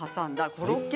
コロッケ！